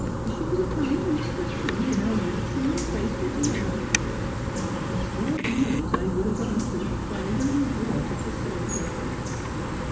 She was a kind mistress to me, and I was true and faithful to her. Yes, God knows I would have gone through lire and water to serve her